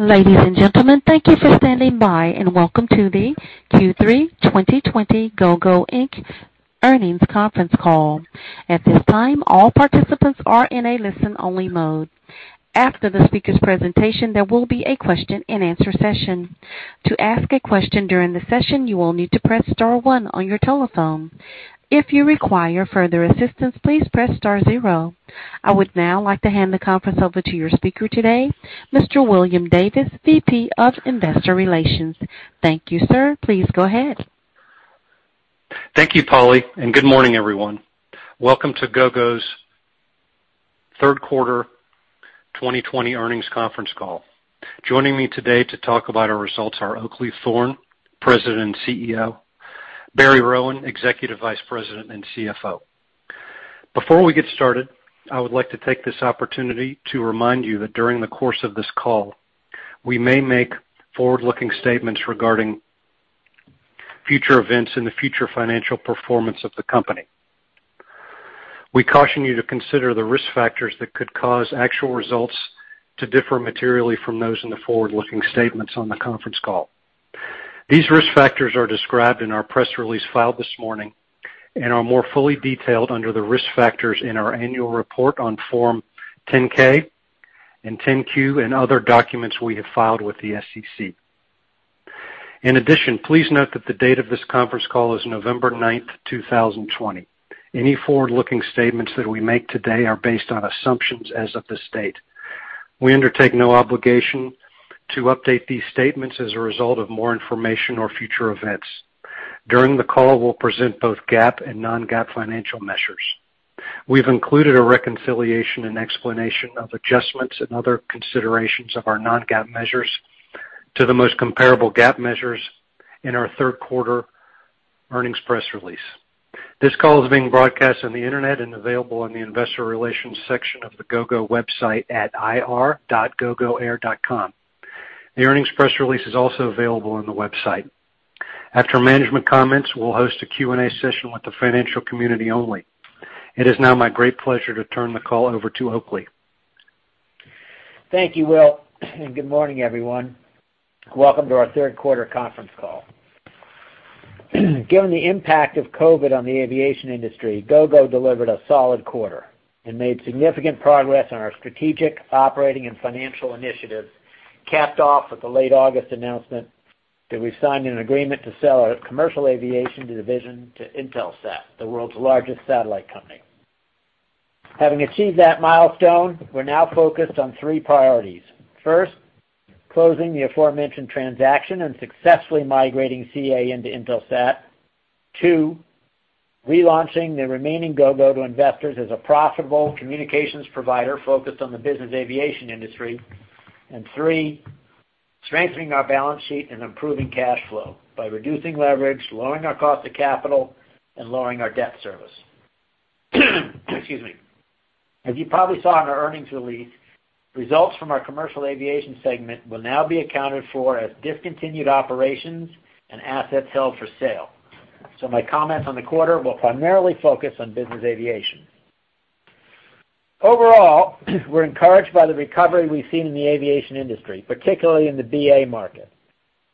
Ladies and gentlemen, thank you for standing by, and welcome to the Q3 2020 Gogo Inc earnings conference call. At this time, all participants are in a listen-only mode. After the speaker's presentation, there will be a question-and-answer session. To ask a question during the session, you will need to press star one on your telephone. If you require further assistance, please press star zero. I would now like to hand the conference over to your speaker today, Mr. William Davis, VP of Investor Relations. Thank you, sir. Please go ahead. Thank you, Polly. Good morning, everyone. Welcome to Gogo's third quarter 2020 earnings conference call. Joining me today to talk about our results are Oakleigh Thorne, President and CEO. Barry Rowan, Executive Vice President and CFO. Before we get started, I would like to take this opportunity to remind you that during the course of this call, we may make forward-looking statements regarding future events and the future financial performance of the company. We caution you to consider the risk factors that could cause actual results to differ materially from those in the forward-looking statements on the conference call. These risk factors are described in our press release filed this morning and are more fully detailed under the risk factors in our annual report on Form 10-K and 10-Q and other documents we have filed with the SEC. In addition, please note that the date of this conference call is November 9th, 2020. Any forward-looking statements that we make today are based on assumptions as of this date. We undertake no obligation to update these statements as a result of more information or future events. During the call, we'll present both GAAP and non-GAAP financial measures. We've included a reconciliation and explanation of adjustments and other considerations of our non-GAAP measures to the most comparable GAAP measures in our third quarter earnings press release. This call is being broadcast on the internet and available on the investor relations section of the Gogo website at ir.gogoair.com. The earnings press release is also available on the website. After management comments, we'll host a Q&A session with the financial community only. It is now my great pleasure to turn the call over to Oakleigh. Thank you, Will, and good morning, everyone. Welcome to our third quarter conference call. Given the impact of COVID on the aviation industry, Gogo delivered a solid quarter and made significant progress on our strategic operating and financial initiatives, capped off with the late August announcement that we've signed an agreement to sell our commercial aviation division to Intelsat, the world's largest satellite company. Having achieved that milestone, we're now focused on three priorities. First, closing the aforementioned transaction and successfully migrating CA into Intelsat. Two, relaunching the remaining Gogo to investors as a profitable communications provider focused on the business aviation industry. Three, strengthening our balance sheet and improving cash flow by reducing leverage, lowering our cost of capital, and lowering our debt service. Excuse me. As you probably saw in our earnings release, results from our Commercial Aviation segment will now be accounted for as discontinued operations and assets held for sale. My comments on the quarter will primarily focus on business aviation. Overall, we're encouraged by the recovery we've seen in the aviation industry, particularly in the BA market.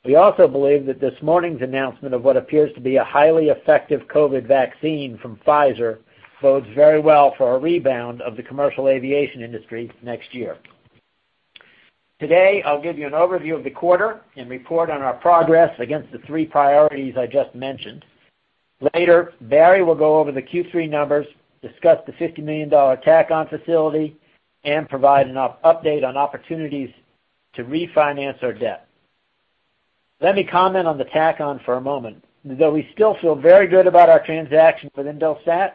We also believe that this morning's announcement of what appears to be a highly effective COVID vaccine from Pfizer bodes very well for a rebound of the commercial aviation industry next year. Today, I'll give you an overview of the quarter and report on our progress against the three priorities I just mentioned. Later, Barry will go over the Q3 numbers, discuss the $50 million tack-on facility, and provide an update on opportunities to refinance our debt. Let me comment on the tack-on for a moment. Though we still feel very good about our transaction with Intelsat,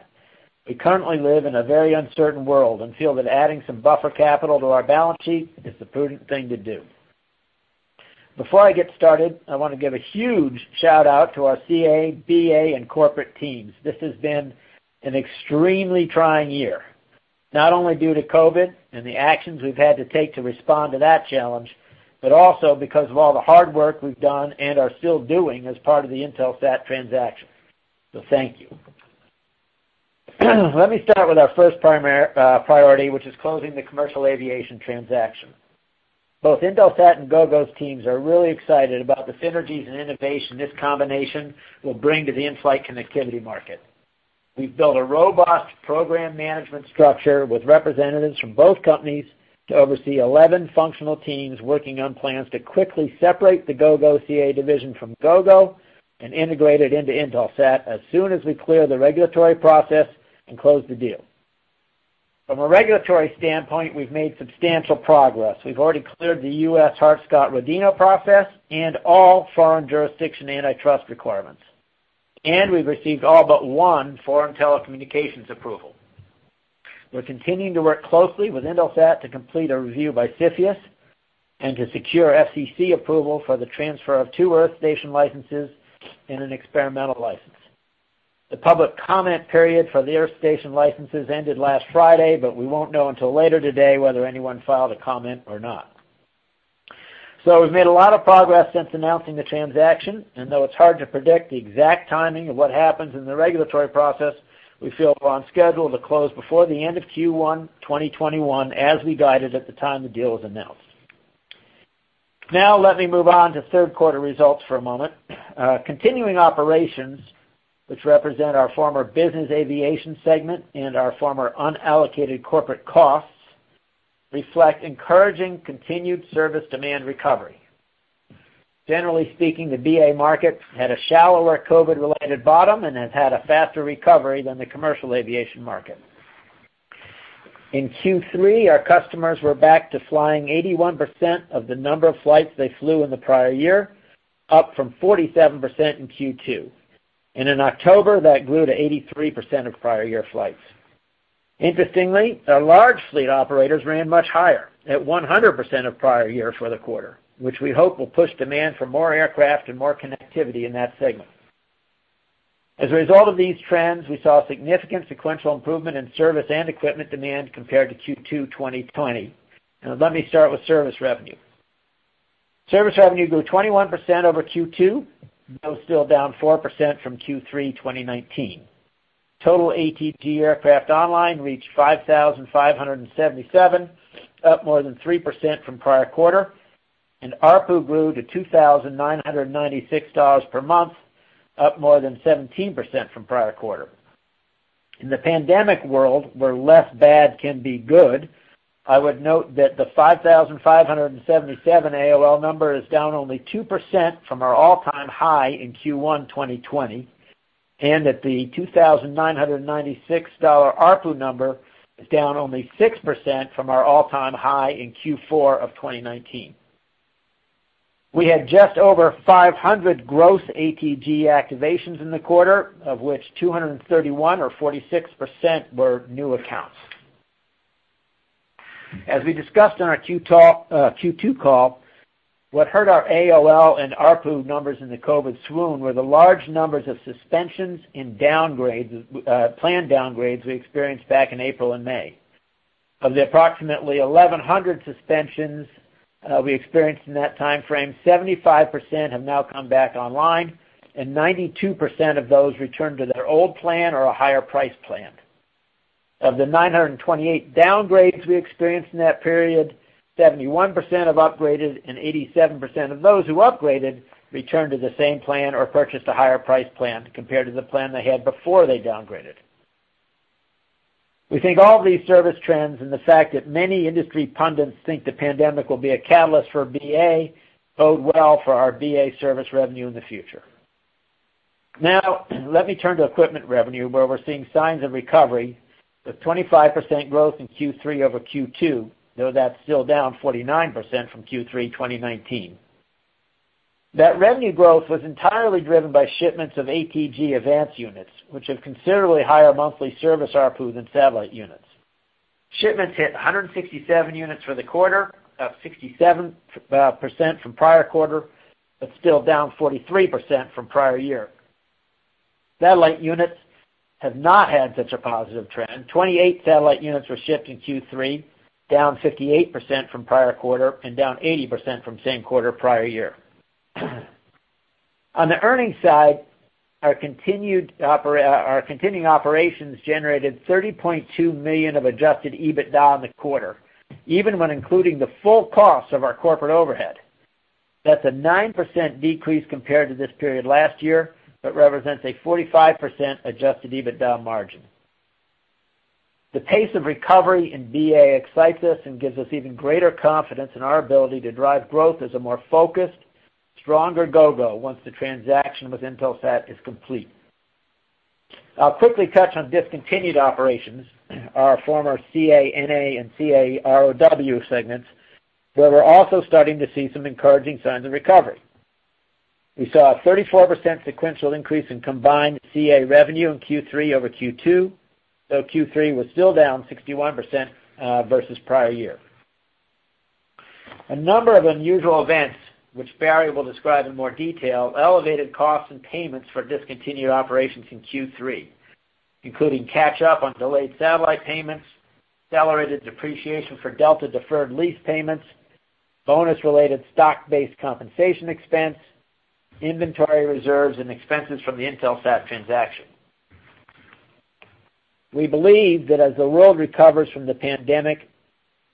we currently live in a very uncertain world and feel that adding some buffer capital to our balance sheet is the prudent thing to do. Before I get started, I want to give a huge shout-out to our CA, BA, and corporate teams. This has been an extremely trying year, not only due to COVID and the actions we've had to take to respond to that challenge, but also because of all the hard work we've done and are still doing as part of the Intelsat transaction. Thank you. Let me start with our first priority, which is closing the commercial aviation transaction. Both Intelsat and Gogo's teams are really excited about the synergies and innovation this combination will bring to the in-flight connectivity market. We've built a robust program management structure with representatives from both companies to oversee 11 functional teams working on plans to quickly separate the Gogo CA division from Gogo and integrate it into Intelsat as soon as we clear the regulatory process and close the deal. From a regulatory standpoint, we've made substantial progress. We've already cleared the U.S. Hart-Scott-Rodino process and all foreign jurisdiction antitrust requirements. We've received all but one foreign telecommunications approval. We're continuing to work closely with Intelsat to complete a review by CFIUS and to secure FCC approval for the transfer of two earth station licenses and an experimental license. The public comment period for the earth station licenses ended last Friday, but we won't know until later today whether anyone filed a comment or not. We've made a lot of progress since announcing the transaction, and though it's hard to predict the exact timing of what happens in the regulatory process, we feel we're on schedule to close before the end of Q1 2021, as we guided at the time the deal was announced. Now let me move on to third quarter results for a moment. Continuing operations, which represent our former business aviation segment and our former unallocated corporate costs, reflect encouraging continued service demand recovery. Generally speaking, the BA market had a shallower COVID-related bottom and has had a faster recovery than the commercial aviation market. In Q3, our customers were back to flying 81% of the number of flights they flew in the prior year, up from 47% in Q2. In October, that grew to 83% of prior year flights. Interestingly, our large fleet operators ran much higher, at 100% of prior year for the quarter, which we hope will push demand for more aircraft and more connectivity in that segment. As a result of these trends, we saw significant sequential improvement in service and equipment demand compared to Q2 2020. Let me start with service revenue. Service revenue grew 21% over Q2, though still down 4% from Q3 2019. Total ATG aircraft online reached 5,577, up more than 3% from prior quarter, and ARPU grew to $2,996 per month, up more than 17% from prior quarter. In the pandemic world, where less bad can be good, I would note that the 5,577 AOL number is down only 2% from our all-time high in Q1 2020, and that the $2,996 ARPU number is down only 6% from our all-time high in Q4 of 2019. We had just over 500 gross ATG activations in the quarter, of which 231 or 46% were new accounts. As we discussed on our Q2 call, what hurt our AOL and ARPU numbers in the COVID swoon were the large numbers of suspensions and planned downgrades we experienced back in April and May. Of the approximately 1,100 suspensions we experienced in that timeframe, 75% have now come back online, and 92% of those returned to their old plan or a higher price plan. Of the 928 downgrades we experienced in that period, 71% have upgraded, and 87% of those who upgraded returned to the same plan or purchased a higher price plan compared to the plan they had before they downgraded. We think all these service trends and the fact that many industry pundits think the pandemic will be a catalyst for BA, bode well for our BA service revenue in the future. Now let me turn to equipment revenue, where we're seeing signs of recovery, with 25% growth in Q3 over Q2, though that's still down 49% from Q3 2019. That revenue growth was entirely driven by shipments of ATG AVANCE units, which have considerably higher monthly service ARPU than satellite units. Shipments hit 167 units for the quarter, up 67% from prior quarter, but still down 43% from prior year. Satellite units have not had such a positive trend. 28 satellite units were shipped in Q3, down 58% from prior quarter and down 80% from same quarter prior year. On the earnings side, our continuing operations generated $30.2 million of adjusted EBITDA in the quarter, even when including the full cost of our corporate overhead. That's a 9% decrease compared to this period last year, but represents a 45% adjusted EBITDA margin. The pace of recovery in BA excites us and gives us even greater confidence in our ability to drive growth as a more focused, stronger Gogo once the transaction with Intelsat is complete. I'll quickly touch on discontinued operations, our former CA-NA and CA-ROW segments, where we're also starting to see some encouraging signs of recovery. We saw a 34% sequential increase in combined CA revenue in Q3 over Q2, though Q3 was still down 61% versus prior year. A number of unusual events, which Barry will describe in more detail, elevated costs and payments for discontinued operations in Q3, including catch up on delayed satellite payments, accelerated depreciation for Delta deferred lease payments, bonus-related stock-based compensation expense, inventory reserves, and expenses from the Intelsat transaction. We believe that as the world recovers from the pandemic,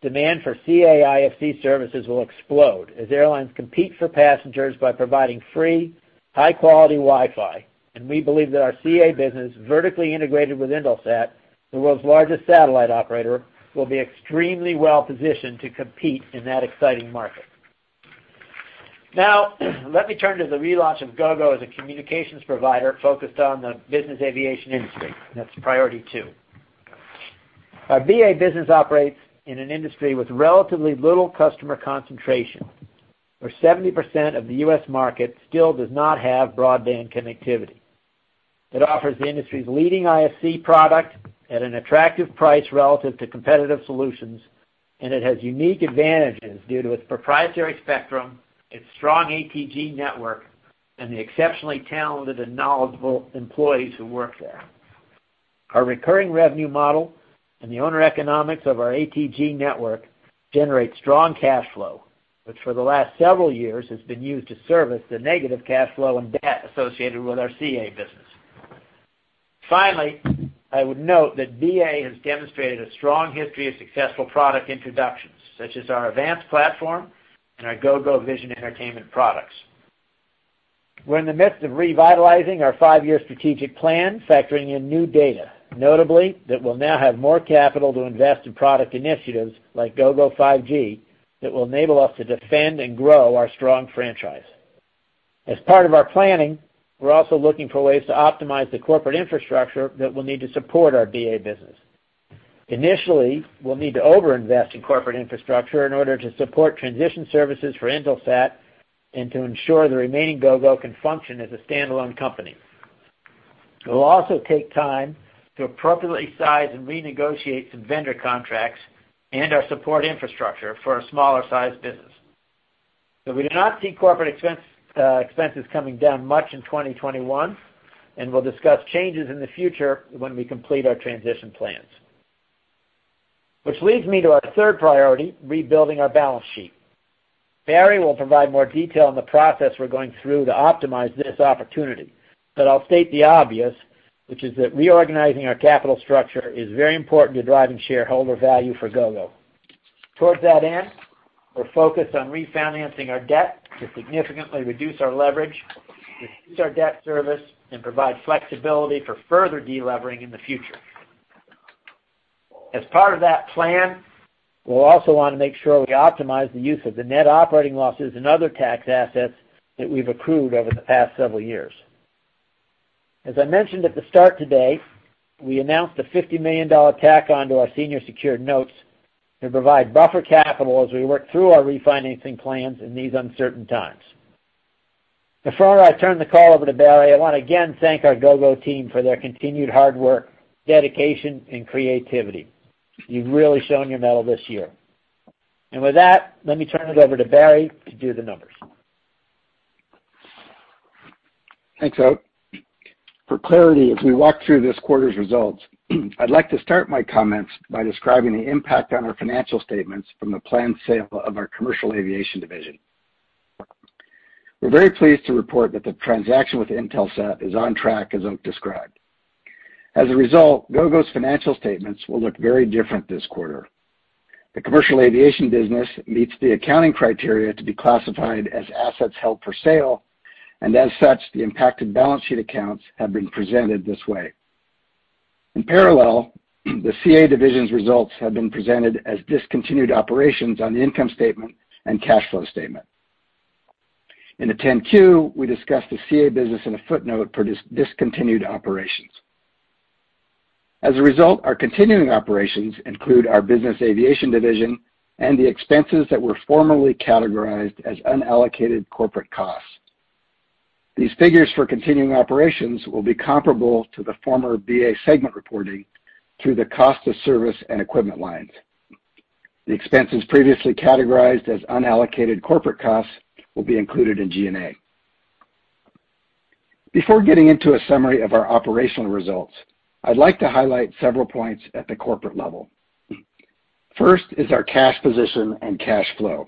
demand for CA IFC services will explode as airlines compete for passengers by providing free, high-quality Wi-Fi. We believe that our CA business, vertically integrated with Intelsat, the world's largest satellite operator, will be extremely well-positioned to compete in that exciting market. Let me turn to the relaunch of Gogo as a communications provider focused on the business aviation industry. That's priority two. Our BA business operates in an industry with relatively little customer concentration, where 70% of the U.S. market still does not have broadband connectivity. It offers the industry's leading IFC product at an attractive price relative to competitive solutions, and it has unique advantages due to its proprietary spectrum, its strong ATG network, and the exceptionally talented and knowledgeable employees who work there. Our recurring revenue model and the owner economics of our ATG network generate strong cash flow, which for the last several years has been used to service the negative cash flow and debt associated with our CA business. Finally, I would note that BA has demonstrated a strong history of successful product introductions, such as our AVANCE platform and our Gogo Vision entertainment products. We're in the midst of revitalizing our five-year strategic plan, factoring in new data, notably that we'll now have more capital to invest in product initiatives like Gogo 5G that will enable us to defend and grow our strong franchise. As part of our planning, we're also looking for ways to optimize the corporate infrastructure that will need to support our BA business. Initially, we'll need to over-invest in corporate infrastructure in order to support transition services for Intelsat and to ensure the remaining Gogo can function as a standalone company. It'll also take time to appropriately size and renegotiate some vendor contracts and our support infrastructure for a smaller-sized business. We do not see corporate expenses coming down much in 2021, and we'll discuss changes in the future when we complete our transition plans. Which leads me to our third priority, rebuilding our balance sheet. Barry will provide more detail on the process we're going through to optimize this opportunity, but I'll state the obvious, which is that reorganizing our capital structure is very important to driving shareholder value for Gogo. Towards that end, we're focused on refinancing our debt to significantly reduce our leverage, reduce our debt service, and provide flexibility for further de-levering in the future. As part of that plan, we'll also want to make sure we optimize the use of the net operating losses and other tax assets that we've accrued over the past several years. As I mentioned at the start today, we announced a $50 million tack-on to our senior secured notes to provide buffer capital as we work through our refinancing plans in these uncertain times. Before I turn the call over to Barry, I want to again thank our Gogo team for their continued hard work, dedication, and creativity. You've really shown your mettle this year. With that, let me turn it over to Barry to do the numbers. Thanks, Oak. For clarity, as we walk through this quarter's results, I'd like to start my comments by describing the impact on our financial statements from the planned sale of our commercial aviation division. We're very pleased to report that the transaction with Intelsat is on track as Oak described. As a result, Gogo's financial statements will look very different this quarter. The commercial aviation business meets the accounting criteria to be classified as assets held for sale, and as such, the impacted balance sheet accounts have been presented this way. In parallel, the CA division's results have been presented as discontinued operations on the income statement and cash flow statement. In the 10-Q, we discussed the CA business in a footnote for discontinued operations. As a result, our continuing operations include our business aviation division and the expenses that were formerly categorized as unallocated corporate costs. These figures for continuing operations will be comparable to the former BA segment reporting through the cost of service and equipment lines. The expenses previously categorized as unallocated corporate costs will be included in G&A. Before getting into a summary of our operational results, I'd like to highlight several points at the corporate level. First is our cash position and cash flow.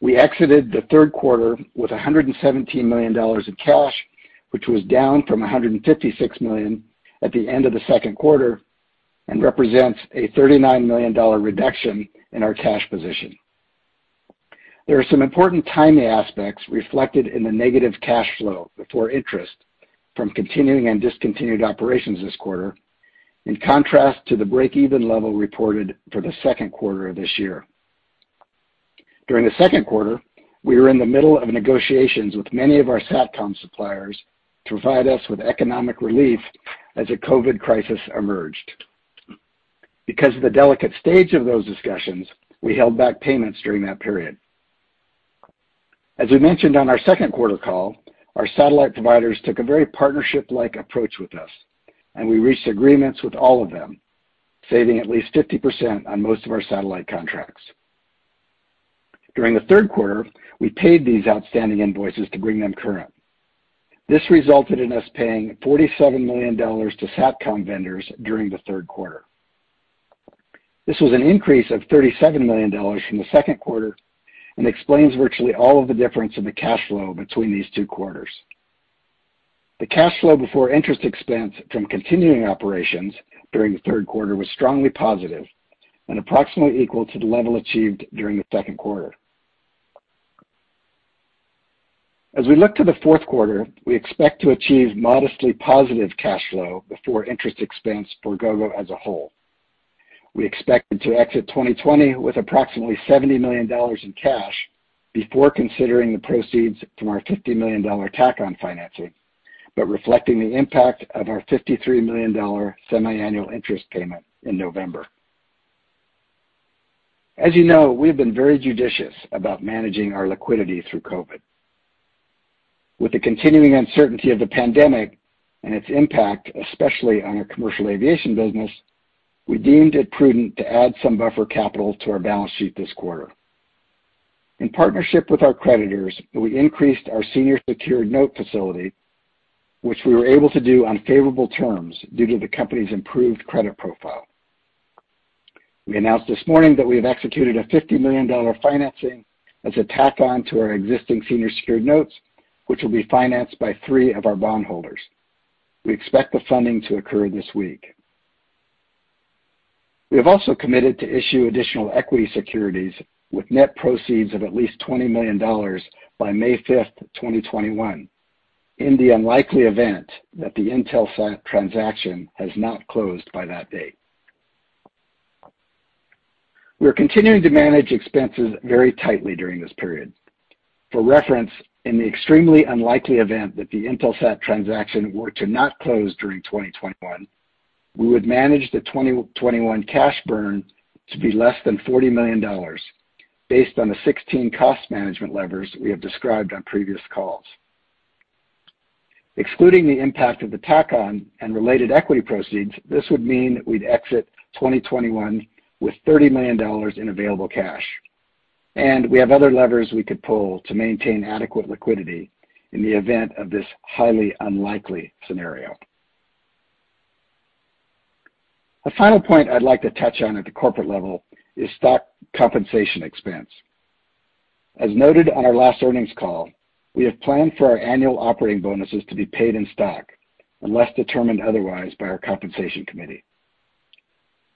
We exited the third quarter with $117 million in cash, which was down from $156 million at the end of the second quarter and represents a $39 million reduction in our cash position. There are some important timing aspects reflected in the negative cash flow before interest from continuing and discontinued operations this quarter, in contrast to the break-even level reported for the second quarter of this year. During the second quarter, we were in the middle of negotiations with many of our SATCOM suppliers to provide us with economic relief as the COVID crisis emerged. Because of the delicate stage of those discussions, we held back payments during that period. As we mentioned on our second quarter call, our satellite providers took a very partnership-like approach with us, and we reached agreements with all of them, saving at least 50% on most of our satellite contracts. During the third quarter, we paid these outstanding invoices to bring them current. This resulted in us paying $47 million to SATCOM vendors during the third quarter. This was an increase of $37 million from the second quarter and explains virtually all of the difference in the cash flow between these two quarters. The cash flow before interest expense from continuing operations during the third quarter was strongly positive and approximately equal to the level achieved during the second quarter. As we look to the fourth quarter, we expect to achieve modestly positive cash flow before interest expense for Gogo as a whole. We expect to exit 2020 with approximately $70 million in cash before considering the proceeds from our $50 million tack-on financing, but reflecting the impact of our $53 million semiannual interest payment in November. As you know, we've been very judicious about managing our liquidity through COVID. With the continuing uncertainty of the pandemic and its impact, especially on our commercial aviation business, we deemed it prudent to add some buffer capital to our balance sheet this quarter. In partnership with our creditors, we increased our senior secured note facility, which we were able to do on favorable terms due to the company's improved credit profile. We announced this morning that we have executed a $50 million financing as a tack-on to our existing senior secured notes, which will be financed by three of our bondholders. We expect the funding to occur this week. We have also committed to issue additional equity securities with net proceeds of at least $20 million by May 5th, 2021, in the unlikely event that the Intelsat transaction has not closed by that date. We're continuing to manage expenses very tightly during this period. For reference, in the extremely unlikely event that the Intelsat transaction were to not close during 2021, we would manage the 2021 cash burn to be less than $40 million, based on the 16 cost management levers we have described on previous calls. Excluding the impact of the tack-on and related equity proceeds, this would mean that we'd exit 2021 with $30 million in available cash, and we have other levers we could pull to maintain adequate liquidity in the event of this highly unlikely scenario. A final point I'd like to touch on at the corporate level is stock compensation expense. As noted on our last earnings call, we have planned for our annual operating bonuses to be paid in stock, unless determined otherwise by our compensation committee.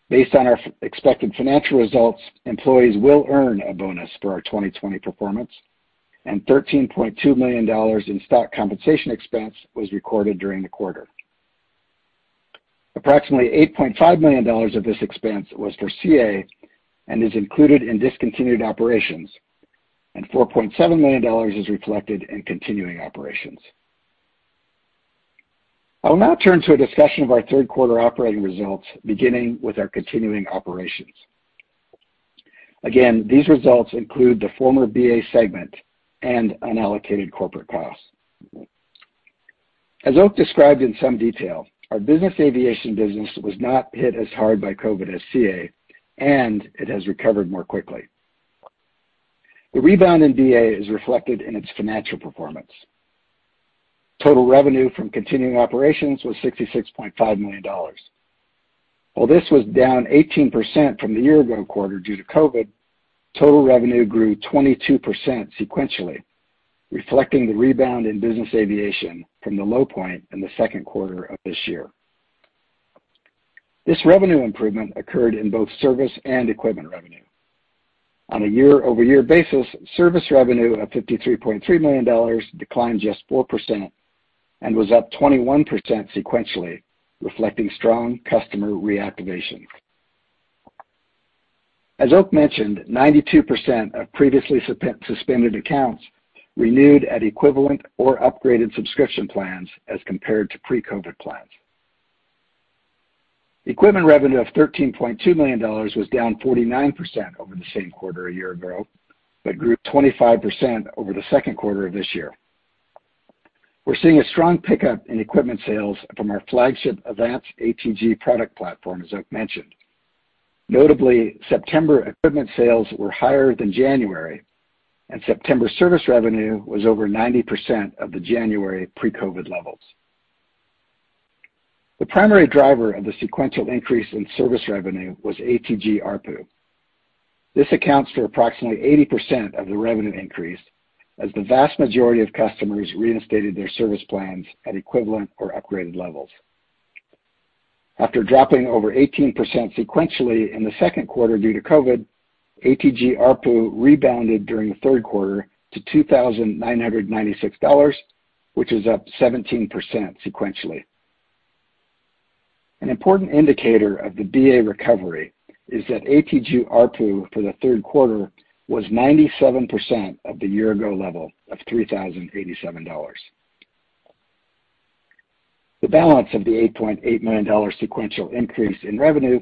Based on our expected financial results, employees will earn a bonus for our 2020 performance, and $13.2 million in stock compensation expense was recorded during the quarter. Approximately $8.5 million of this expense was for CA and is included in discontinued operations, and $4.7 million is reflected in continuing operations. I will now turn to a discussion of our third quarter operating results, beginning with our continuing operations. Again, these results include the former BA segment and unallocated corporate costs. As Oak described in some detail, our business aviation business was not hit as hard by COVID as CA, and it has recovered more quickly. The rebound in BA is reflected in its financial performance. Total revenue from continuing operations was $66.5 million. While this was down 18% from the year-ago quarter due to COVID, total revenue grew 22% sequentially, reflecting the rebound in business aviation from the low point in the second quarter of this year. This revenue improvement occurred in both service and equipment revenue. On a year-over-year basis, service revenue of $53.3 million declined just 4% and was up 21% sequentially, reflecting strong customer reactivation. As Oak mentioned, 92% of previously suspended accounts renewed at equivalent or upgraded subscription plans as compared to pre-COVID plans. Equipment revenue of $13.2 million was down 49% over the same quarter a year-ago, but grew 25% over the second quarter of this year. We're seeing a strong pickup in equipment sales from our flagship AVANCE ATG product platform, as Oak mentioned. Notably, September equipment sales were higher than January, and September service revenue was over 90% of the January pre-COVID levels. The primary driver of the sequential increase in service revenue was ATG ARPU. This accounts for approximately 80% of the revenue increase as the vast majority of customers reinstated their service plans at equivalent or upgraded levels. After dropping over 18% sequentially in the second quarter due to COVID, ATG ARPU rebounded during the third quarter to $2,996, which is up 17% sequentially. An important indicator of the BA recovery is that ATG ARPU for the third quarter was 97% of the year-ago level of $3,087. The balance of the $8.8 million sequential increase in revenue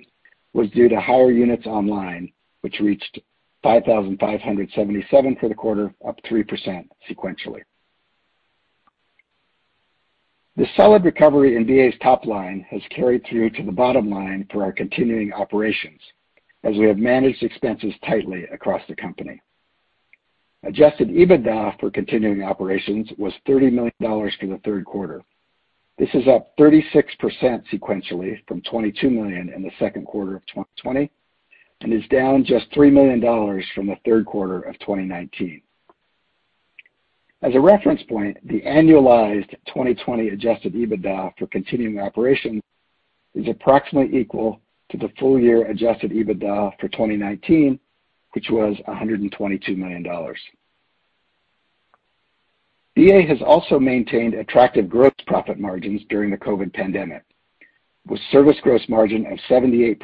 was due to higher units online, which reached 5,577 for the quarter, up 3% sequentially. The solid recovery in BA's top line has carried through to the bottom line for our continuing operations as we have managed expenses tightly across the company. Adjusted EBITDA for continuing operations was $30 million for the third quarter. This is up 36% sequentially from $22 million in the second quarter of 2020 and is down just $3 million from the third quarter of 2019. As a reference point, the annualized 2020 adjusted EBITDA for continuing operations is approximately equal to the full year adjusted EBITDA for 2019, which was $122 million. BA has also maintained attractive gross profit margins during the COVID pandemic, with service gross margin of 78%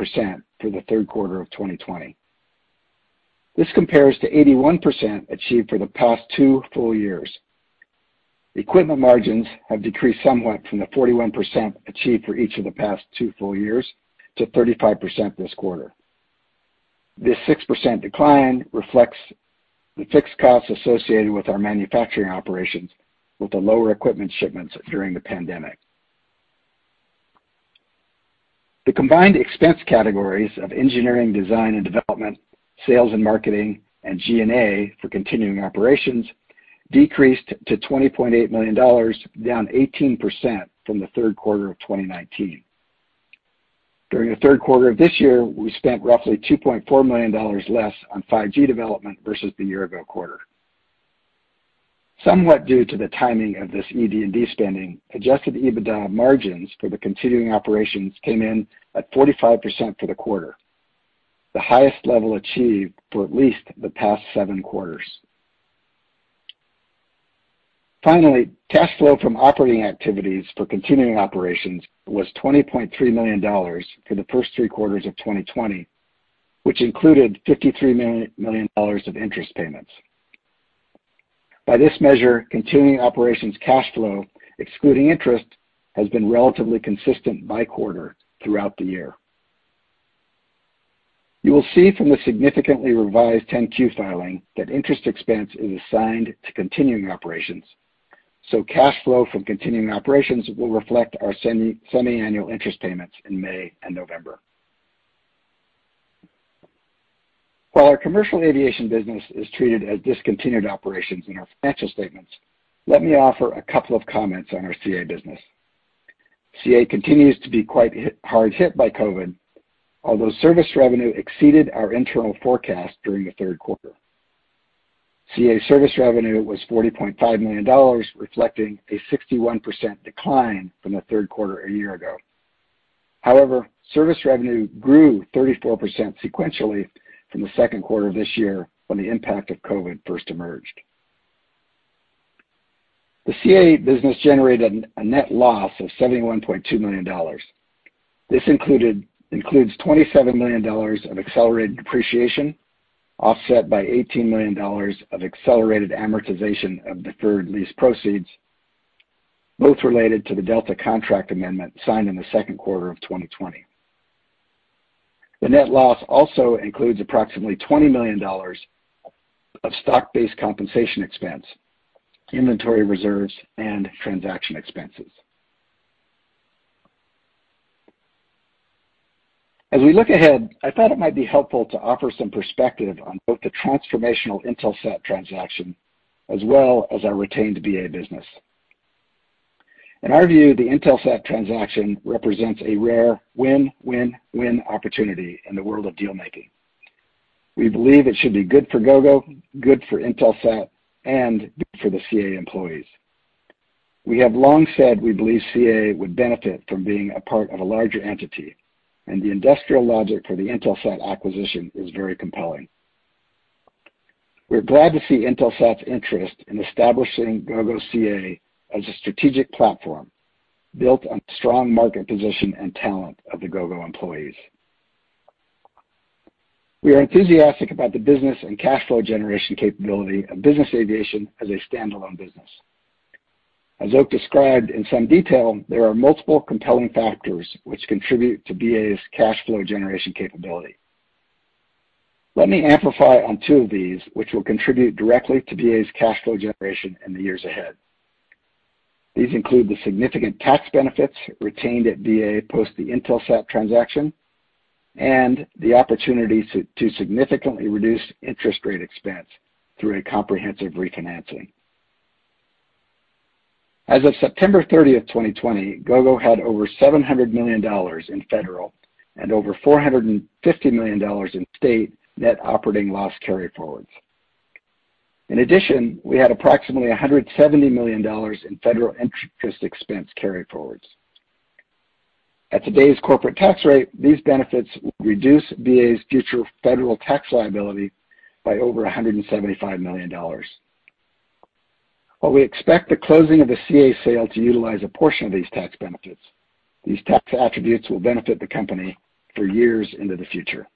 for the third quarter of 2020. This compares to 81% achieved for the past two full years. Equipment margins have decreased somewhat from the 41% achieved for each of the past two full years to 35% this quarter. This 6% decline reflects the fixed costs associated with our manufacturing operations with the lower equipment shipments during the pandemic. The combined expense categories of engineering, design, and development, sales and marketing, and G&A for continuing operations decreased to $20.8 million, down 18% from the third quarter of 2019. During the third quarter of this year, we spent roughly $2.4 million less on 5G development versus the year-ago quarter. Somewhat due to the timing of this ED&D spending, adjusted EBITDA margins for the continuing operations came in at 45% for the quarter, the highest level achieved for at least the past seven quarters. Finally, cash flow from operating activities for continuing operations was $20.3 million for the first three quarters of 2020, which included $53 million of interest payments. By this measure, continuing operations cash flow, excluding interest, has been relatively consistent by quarter throughout the year. You will see from the significantly revised 10-Q filing that interest expense is assigned to continuing operations. Cash flow from continuing operations will reflect our semiannual interest payments in May and November. While our commercial aviation business is treated as discontinued operations in our financial statements, let me offer a couple of comments on our CA business. CA continues to be quite hard hit by COVID, although service revenue exceeded our internal forecast during the third quarter. CA service revenue was $40.5 million, reflecting a 61% decline from the third quarter a year ago. However, service revenue grew 34% sequentially from the second quarter of this year when the impact of COVID first emerged. The CA business generated a net loss of $71.2 million. This includes $27 million of accelerated depreciation, offset by $18 million of accelerated amortization of deferred lease proceeds, both related to the Delta contract amendment signed in the second quarter of 2020. The net loss also includes approximately $20 million of stock-based compensation expense, inventory reserves, and transaction expenses. As we look ahead, I thought it might be helpful to offer some perspective on both the transformational Intelsat transaction as well as our retained BA business. In our view, the Intelsat transaction represents a rare win-win-win opportunity in the world of deal-making. We believe it should be good for Gogo, good for Intelsat, and good for the CA employees. We have long said we believe CA would benefit from being a part of a larger entity. The industrial logic for the Intelsat acquisition is very compelling. We're glad to see Intelsat's interest in establishing Gogo CA as a strategic platform built on the strong market position and talent of the Gogo employees. We are enthusiastic about the business and cash flow generation capability of business aviation as a standalone business. As Oak described in some detail, there are multiple compelling factors which contribute to BA's cash flow generation capability. Let me amplify on two of these, which will contribute directly to BA's cash flow generation in the years ahead. These include the significant tax benefits retained at BA post the Intelsat transaction and the opportunity to significantly reduce interest rate expense through a comprehensive refinancing. As of September 30th, 2020, Gogo had over $700 million in federal and over $450 million in state net operating loss carryforwards. In addition, we had approximately $170 million in federal interest expense carryforwards. At today's corporate tax rate, these benefits will reduce BA's future federal tax liability by over $175 million. While we expect the closing of the CA sale to utilize a portion of these tax benefits, these tax attributes will benefit the company for years into the future.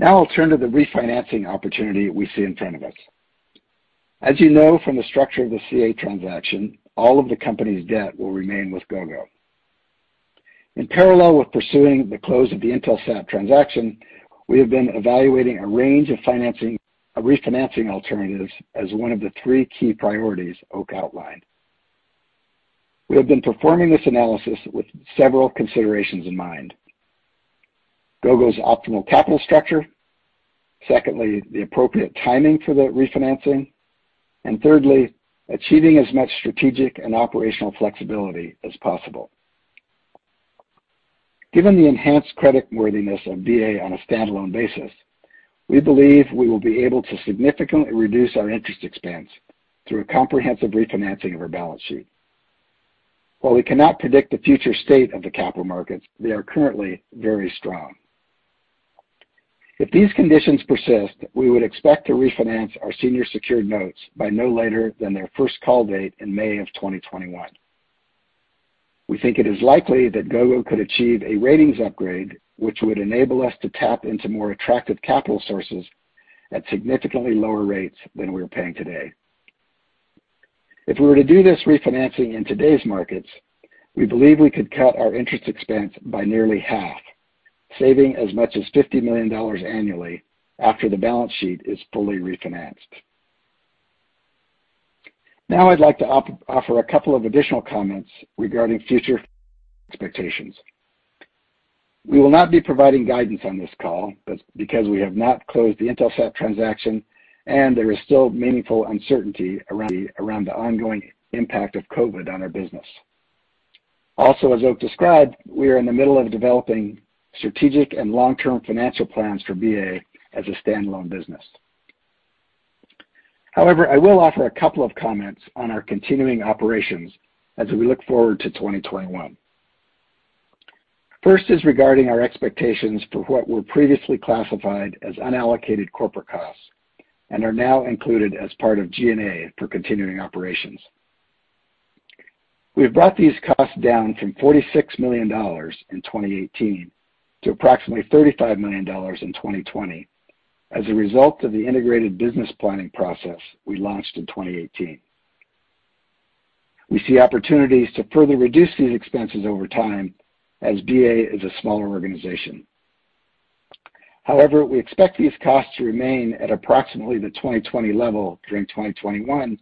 Now I'll turn to the refinancing opportunity we see in front of us. As you know from the structure of the CA transaction, all of the company's debt will remain with Gogo. In parallel with pursuing the close of the Intelsat transaction, we have been evaluating a range of refinancing alternatives as one of the three key priorities Oak outlined. We have been performing this analysis with several considerations in mind. Gogo's optimal capital structure, secondly, the appropriate timing for the refinancing, and thirdly, achieving as much strategic and operational flexibility as possible. Given the enhanced creditworthiness of BA on a standalone basis, we believe we will be able to significantly reduce our interest expense through a comprehensive refinancing of our balance sheet. While we cannot predict the future state of the capital markets, they are currently very strong. If these conditions persist, we would expect to refinance our senior secured notes by no later than their first call date in May of 2021. We think it is likely that Gogo could achieve a ratings upgrade, which would enable us to tap into more attractive capital sources at significantly lower rates than we are paying today. If we were to do this refinancing in today's markets, we believe we could cut our interest expense by nearly half, saving as much as $50 million annually after the balance sheet is fully refinanced. Now I'd like to offer a couple of additional comments regarding future expectations. We will not be providing guidance on this call because we have not closed the Intelsat transaction, and there is still meaningful uncertainty around the ongoing impact of COVID on our business. Also, as Oak described, we are in the middle of developing strategic and long-term financial plans for BA as a standalone business. However, I will offer a couple of comments on our continuing operations as we look forward to 2021. First is regarding our expectations for what were previously classified as unallocated corporate costs and are now included as part of G&A for continuing operations. We have brought these costs down from $46 million in 2018 to approximately $35 million in 2020 as a result of the integrated business planning process we launched in 2018. We see opportunities to further reduce these expenses over time as BA is a smaller organization. However, we expect these costs to remain at approximately the 2020 level during 2021,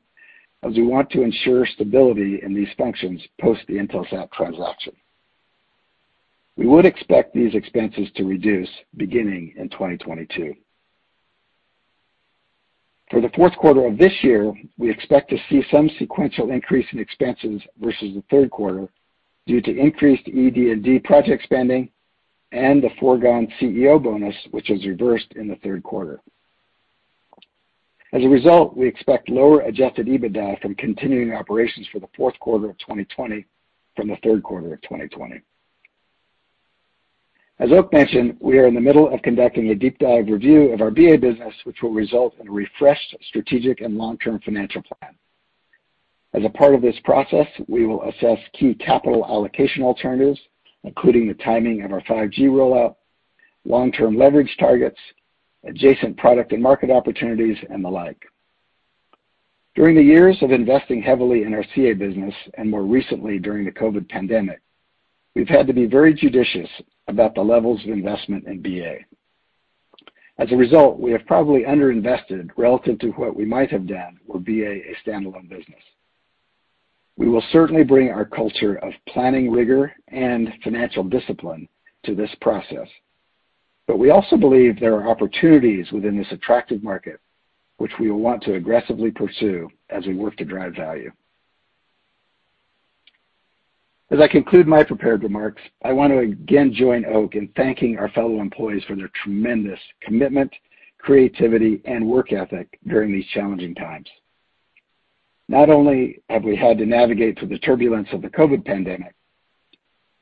as we want to ensure stability in these functions post the Intelsat transaction. We would expect these expenses to reduce beginning in 2022. For the fourth quarter of this year, we expect to see some sequential increase in expenses versus the third quarter due to increased ED&D project spending and the foregone CEO bonus, which was reversed in the third quarter. As a result, we expect lower adjusted EBITDA from continuing operations for the fourth quarter of 2020 from the third quarter of 2020. As Oak mentioned, we are in the middle of conducting a deep dive review of our BA business, which will result in a refreshed strategic and long-term financial plan. As a part of this process, we will assess key capital allocation alternatives, including the timing of our 5G rollout, long-term leverage targets, adjacent product and market opportunities, and the like. During the years of investing heavily in our CA business and more recently during the COVID pandemic, we've had to be very judicious about the levels of investment in BA. As a result, we have probably under-invested relative to what we might have done were BA a standalone business. We will certainly bring our culture of planning rigor and financial discipline to this process. We also believe there are opportunities within this attractive market which we will want to aggressively pursue as we work to drive value. As I conclude my prepared remarks, I want to again join Oak in thanking our fellow employees for their tremendous commitment, creativity, and work ethic during these challenging times. Not only have we had to navigate through the turbulence of the COVID pandemic,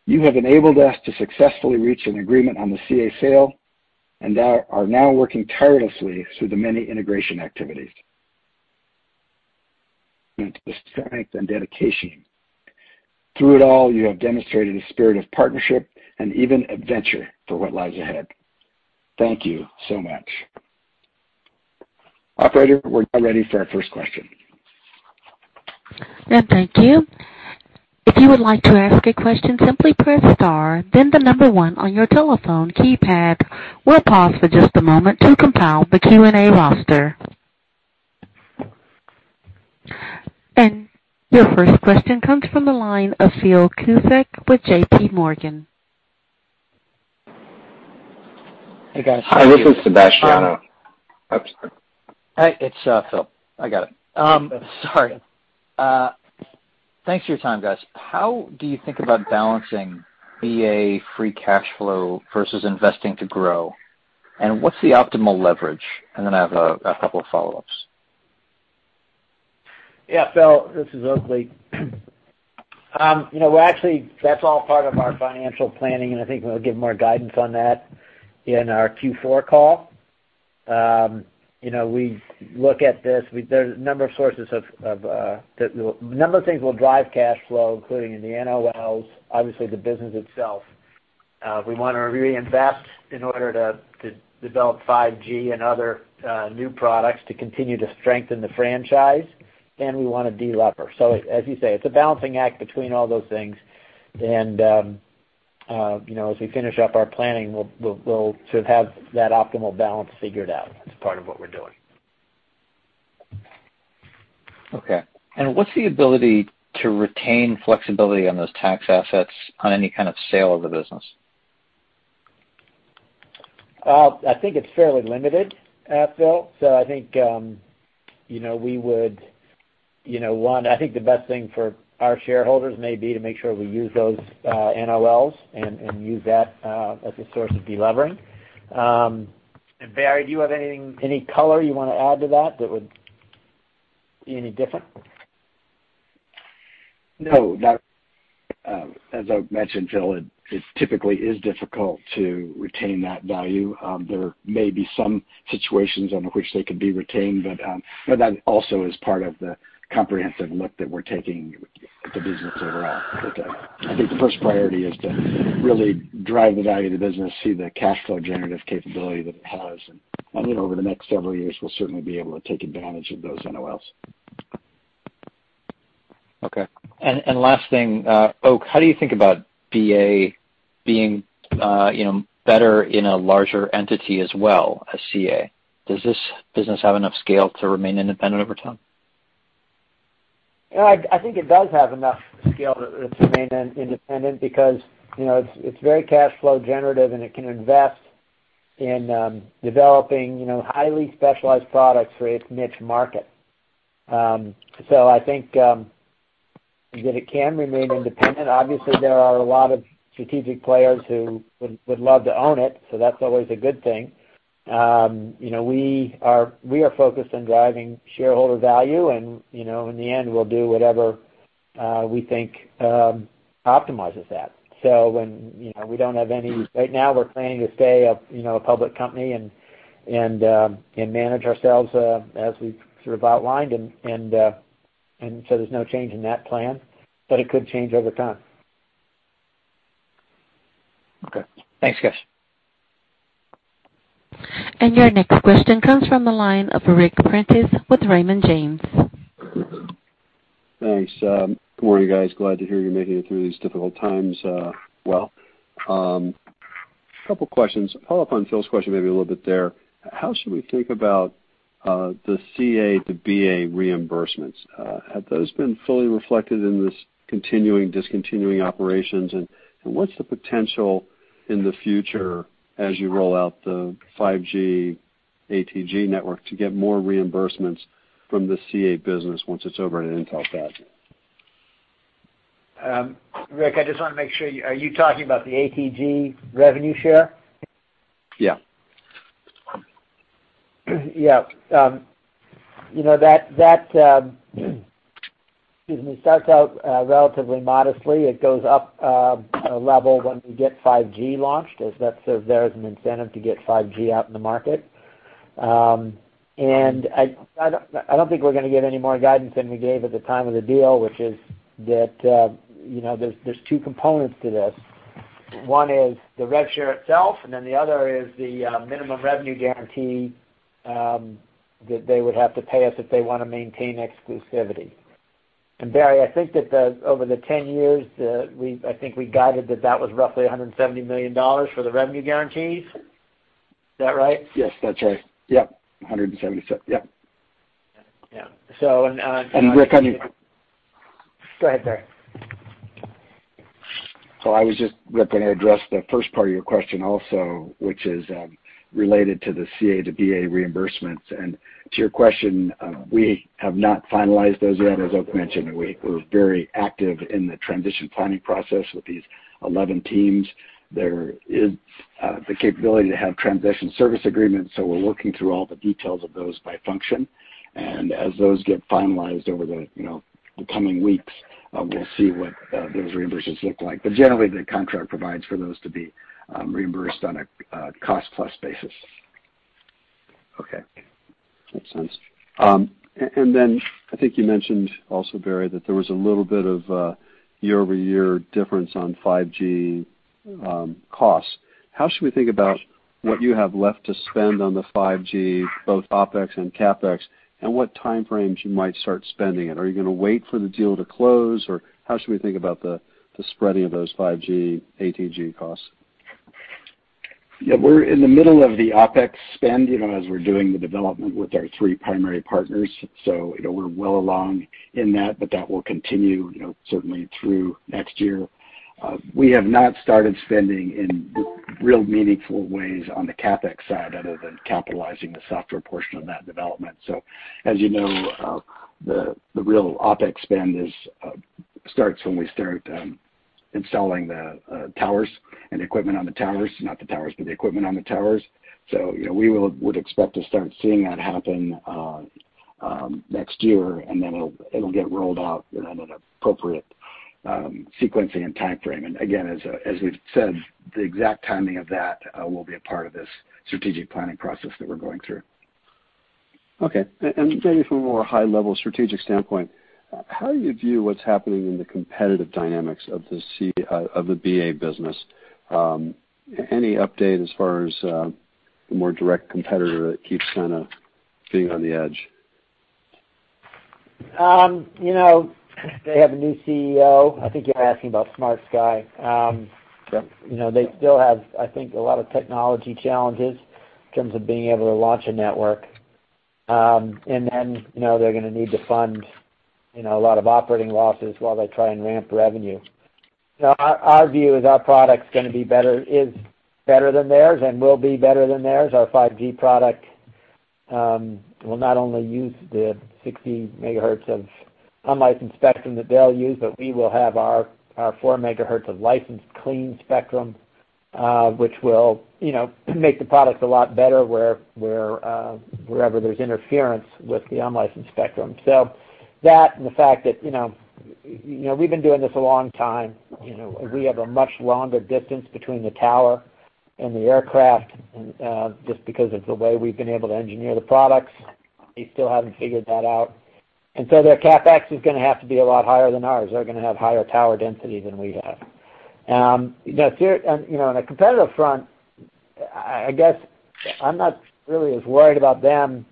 you have enabled us to successfully reach an agreement on the CA sale and are now working tirelessly through the many integration activities. The strength and dedication through it all, you have demonstrated a spirit of partnership and even adventure for what lies ahead. Thank you so much. Operator, we're now ready for our first question. Thank you. If you would like to ask a question, simply press star, then the number one on your telephone keypad. We'll pause for just a moment to compile the Q&A roster. Your first question comes from the line of Phil Cusick with JPMorgan. Hey, guys. Hi, this is Sebastiano. Oops, sorry. Hey, it's Phil. I got it. Sorry. Thanks for your time, guys. How do you think about balancing BA free cash flow versus investing to grow? What's the optimal leverage? I have a couple of follow-ups. Yeah. Phil, this is Oakleigh. Actually, that's all part of our financial planning, and I think we'll give more guidance on that in our Q4 call. We look at this. A number of things will drive cash flow, including the NOLs, obviously the business itself. We want to reinvest in order to develop 5G and other new products to continue to strengthen the franchise, and we want to de-lever. As you say, it's a balancing act between all those things, and as we finish up our planning, we'll have that optimal balance figured out as part of what we're doing. Okay. What's the ability to retain flexibility on those tax assets on any kind of sale of the business? I think it's fairly limited, Phil. I think the best thing for our shareholders may be to make sure we use those NOLs and use that as a source of de-levering. Barry, do you have any color you want to add to that that would be any different? No. As I mentioned, Phil, it typically is difficult to retain that value. There may be some situations under which they could be retained. That also is part of the comprehensive look that we're taking at the business overall. I think the first priority is to really drive the value of the business, see the cash flow generative capability that it has, and over the next several years, we'll certainly be able to take advantage of those NOLs. Okay. Last thing, Oak, how do you think about BA being better in a larger entity as well as CA? Does this business have enough scale to remain independent over time? I think it does have enough scale to remain independent because it's very cash flow generative, and it can invest in developing highly specialized products for its niche market. I think that it can remain independent. Obviously, there are a lot of strategic players who would love to own it, so that's always a good thing. We are focused on driving shareholder value, and in the end, we'll do whatever we think optimizes that. Right now, we're planning to stay a public company and manage ourselves as we've outlined. There's no change in that plan, but it could change over time. Okay. Thanks, guys. Your next question comes from the line of Ric Prentiss with Raymond James. Thanks. Good morning, guys. Glad to hear you're making it through these difficult times well. Couple questions. To follow up on Phil's question maybe a little bit there, how should we think about the CA to BA reimbursements? Have those been fully reflected in this continuing/discontinuing operations? What's the potential in the future as you roll out the 5G ATG network to get more reimbursements from the CA business once it's over at Intelsat? Ric, I just want to make sure, are you talking about the ATG revenue share? Yeah. Yeah. That, excuse me, starts out relatively modestly. It goes up a level when we get 5G launched, as that serves there as an incentive to get 5G out in the market. I don't think we're going to give any more guidance than we gave at the time of the deal, which is that there's two components to this. One is the rev share itself, the other is the minimum revenue guarantee, that they would have to pay us if they want to maintain exclusivity. Barry, I think that over the 10 years, I think we guided that that was roughly $170 million for the revenue guarantees. Is that right? Yes, that's right. Yep. $176 million. Yep. Yeah. Ric, on your-. Go ahead, Barry. I was just ripping to address the first part of your question also, which is related to the CA to BA reimbursements. To your question, we have not finalized those yet. As Oak mentioned, we're very active in the transition planning process with these 11 teams. There is the capability to have transition service agreements, so we're working through all the details of those by function. As those get finalized over the coming weeks, we'll see what those reimbursements look like. Generally, the contract provides for those to be reimbursed on a cost-plus basis. Okay. That makes sense. I think you mentioned also, Barry, that there was a little bit of a year-over-year difference on 5G costs. How should we think about what you have left to spend on the 5G, both OpEx and CapEx, and what time frames you might start spending it? Are you going to wait for the deal to close, or how should we think about the spreading of those 5G ATG costs? Yeah, we're in the middle of the OpEx spend, as we're doing the development with our three primary partners. We're well along in that, but that will continue certainly through next year. We have not started spending in real meaningful ways on the CapEx side other than capitalizing the software portion of that development. As you know, the real OpEx spend starts when we start installing the towers and equipment on the towers. Not the towers, but the equipment on the towers. We would expect to start seeing that happen next year, and then it'll get rolled out in an appropriate sequencing and time frame. Again, as we've said, the exact timing of that will be a part of this strategic planning process that we're going through. Okay. Barry, from a more high-level strategic standpoint, how do you view what's happening in the competitive dynamics of the BA business? Any update as far as a more direct competitor that keeps kind of being on the edge? They have a new CEO. I think you're asking about SmartSky. Yep. They still have, I think, a lot of technology challenges in terms of being able to launch a network. They're going to need to fund a lot of operating losses while they try and ramp revenue. Our view is our product is better than theirs and will be better than theirs. Our 5G product will not only use the 60 MHz of unlicensed spectrum that they'll use, but we will have our 4 MHz of licensed clean spectrum, which will make the product a lot better wherever there's interference with the unlicensed spectrum. That and the fact that we've been doing this a long time. We have a much longer distance between the tower and the aircraft, just because of the way we've been able to engineer the products. They still haven't figured that out. Their CapEx is going to have to be a lot higher than ours. They're going to have higher tower density than we have. On a competitive front, I guess I'm not really as worried about them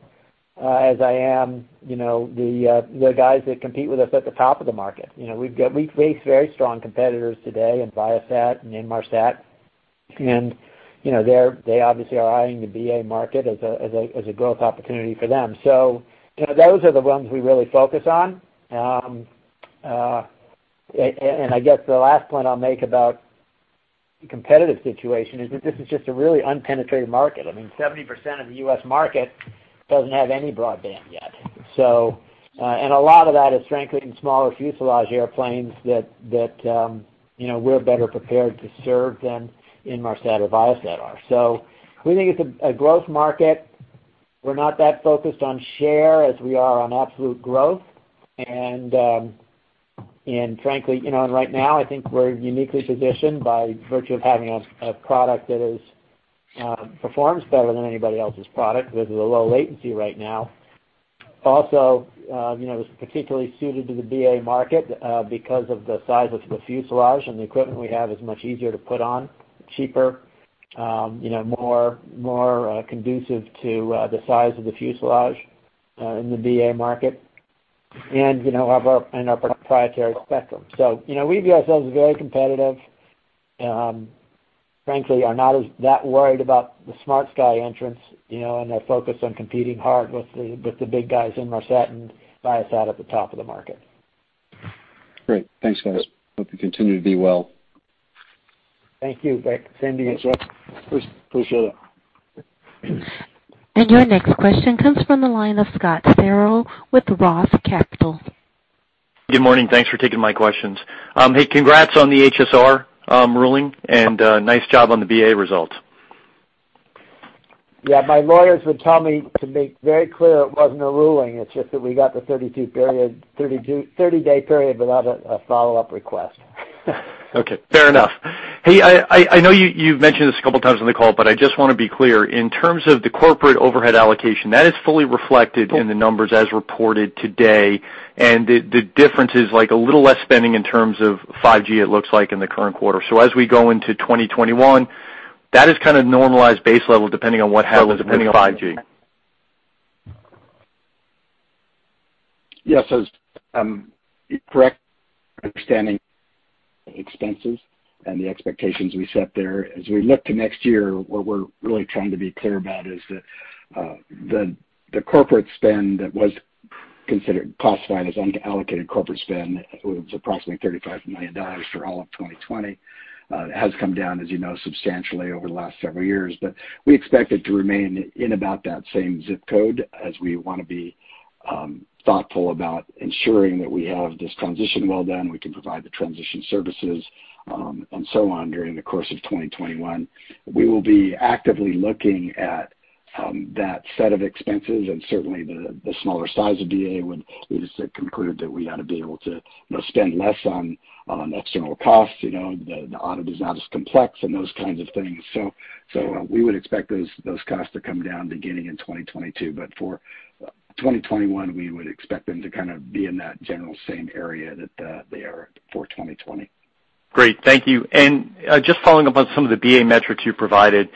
as I am the guys that compete with us at the top of the market. We face very strong competitors today in Viasat and Inmarsat, and they obviously are eyeing the BA market as a growth opportunity for them. Those are the ones we really focus on. I guess the last point I'll make about the competitive situation is that this is just a really unpenetrated market. I mean, 70% of the U.S. market doesn't have any broadband yet. A lot of that is frankly in smaller fuselage airplanes that we're better prepared to serve than Inmarsat or Viasat are. We think it's a growth market. We're not that focused on share as we are on absolute growth. Frankly, right now, I think we're uniquely positioned by virtue of having a product that performs better than anybody else's product with the low latency right now. Also, it's particularly suited to the BA market, because of the size of the fuselage, and the equipment we have is much easier to put on, cheaper, more conducive to the size of the fuselage in the BA market. Our proprietary spectrum. We view ourselves as very competitive. Frankly, are not that worried about the SmartSky entrants, and their focus on competing hard with the big guys, Inmarsat and Viasat, at the top of the market. Great. Thanks, guys. Hope you continue to be well. Thank you, Ric. Same to you. Appreciate it. Your next question comes from the line of Scott Searle with Roth Capital. Good morning. Thanks for taking my questions. Hey, congrats on the HSR ruling, and nice job on the BA results. Yeah, my lawyers would tell me to make very clear it wasn't a ruling. It's just that we got the 30-day period without a follow-up request. Okay, fair enough. Hey, I know you've mentioned this a couple of times on the call, but I just want to be clear. In terms of the corporate overhead allocation, that is fully reflected in the numbers as reported today, and the difference is a little less spending in terms of 5G, it looks like, in the current quarter. As we go into 2021, that is kind of normalized base level depending on what happens with 5G. Yes. Correct understanding expenses and the expectations we set there. We look to next year, what we're really trying to be clear about is that the corporate spend that was considered classified as unallocated corporate spend was approximately $35 million for all of 2020. It has come down, as you know, substantially over the last several years. We expect it to remain in about that same zip code, as we want to be thoughtful about ensuring that we have this transition well done, we can provide the transition services, and so on, during the course of 2021. We will be actively looking at that set of expenses, and certainly the smaller size of BA would conclude that we ought to be able to spend less on external costs. The audit is not as complex and those kinds of things. We would expect those costs to come down beginning in 2022. For 2021, we would expect them to be in that general same area that they are for 2020. Great. Thank you. Just following up on some of the BA metrics you provided.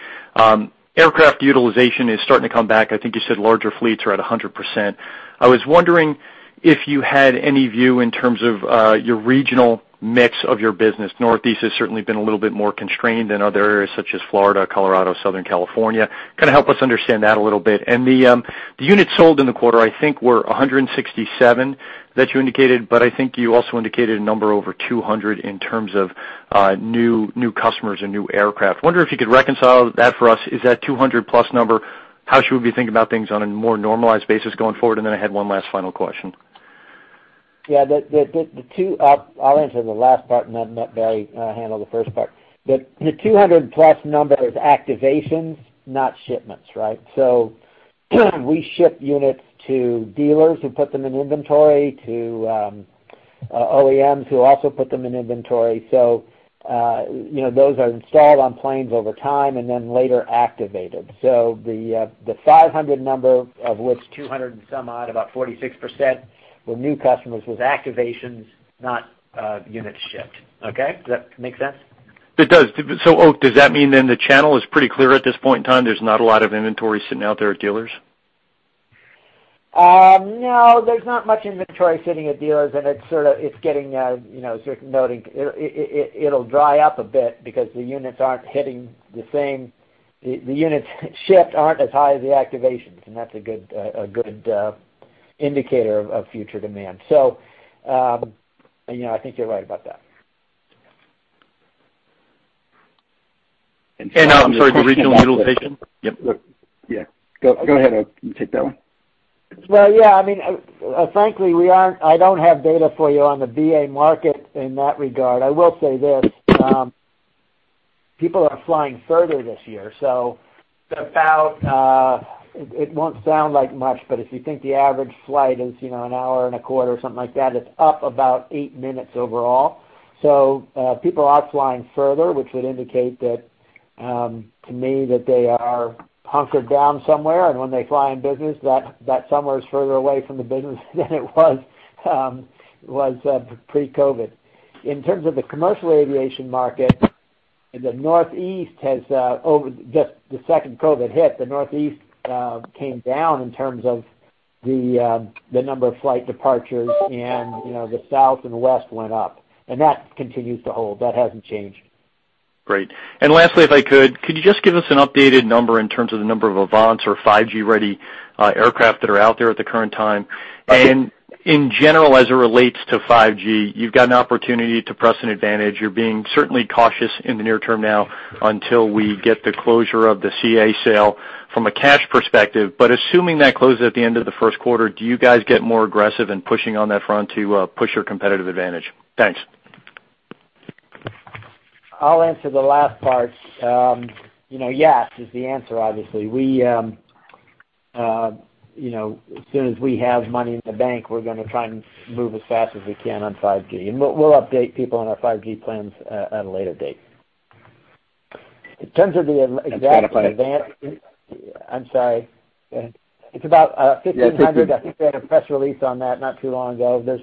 Aircraft utilization is starting to come back. I think you said larger fleets are at 100%. I was wondering if you had any view in terms of your regional mix of your business. Northeast has certainly been a little bit more constrained than other areas such as Florida, Colorado, Southern California. Help us understand that a little bit. The units sold in the quarter, I think, were 167 that you indicated, but I think you also indicated a number over 200 in terms of new customers and new aircraft. I wonder if you could reconcile that for us. Is that 200-plus number, how should we be thinking about things on a more normalized basis going forward? I had one last final question. Yeah. I'll answer the last part, and let Barry handle the first part. The 200+ number is activations, not shipments. Right? We ship units to dealers who put them in inventory, to OEMs who also put them in inventory. Those are installed on planes over time and then later activated. The 500 number of which 200 and some odd, about 46%, were new customers with activations, not units shipped. Okay? Does that make sense? It does. Oak, does that mean then the channel is pretty clear at this point in time? There's not a lot of inventory sitting out there at dealers? No, there's not much inventory sitting at dealers, and it's getting, as you're noting, it'll dry up a bit because the units aren't hitting the same. The units shipped aren't as high as the activations, and that's a good indicator of future demand. I think you're right about that. I'm sorry, the regional utilization? Yep. Yeah. Go ahead, Oak. You take that one. Well, yeah. Frankly, I don't have data for you on the BA market in that regard. I will say this. People are flying further this year. It won't sound like much, but if you think the average flight is an hour and a quarter, something like that, it's up about eight minutes overall. People are flying further, which would indicate to me that they are hunkered down somewhere, and when they fly in business, that somewhere is further away from the business than it was pre-COVID. In terms of the commercial aviation market, the Northeast has, over the second COVID hit, the Northeast came down in terms of the number of flight departures, and the South and the West went up, and that continues to hold. That hasn't changed. Great. Lastly, if I could you just give us an updated number in terms of the number of AVANCE or 5G-ready aircraft that are out there at the current time? In general, as it relates to 5G, you've got an opportunity to press an advantage. You're being certainly cautious in the near term now until we get the closure of the CA sale from a cash perspective, but assuming that closes at the end of the first quarter, do you guys get more aggressive in pushing on that front to push your competitive advantage? Thanks. I'll answer the last part. Yes is the answer, obviously. As soon as we have money in the bank, we're going to try and move as fast as we can on 5G. We'll update people on our 5G plans at a later date. If I- I'm sorry. Go ahead. It's about $1,500. Yeah. $1,500. I think we had a press release on that not too long ago. There's